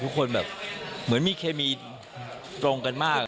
ทุกคนแบบเหมือนมีเคมีตรงกันมาก